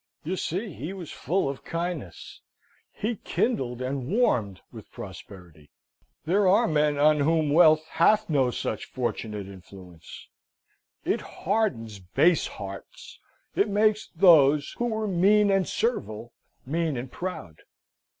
You see, he was full of kindness: he kindled and warmed with prosperity. There are men on whom wealth hath no such fortunate influence. It hardens base hearts: it makes those who were mean and servile, mean and proud.